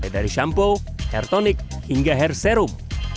dari shampoo hair tonic hingga hair serum